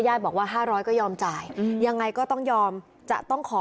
พี่น้องวาหรือว่าน้องวาหรือ